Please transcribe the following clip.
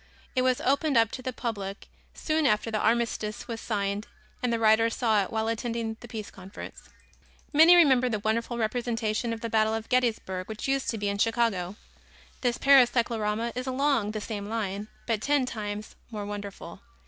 It was opened up to the public soon after the armistice was signed and the writer saw it while attending the Peace Conference. Many remember the wonderful representation of the Battle of Gettysburg which used to be in Chicago. This Paris cyclorama is along the same line, but ten times more wonderful.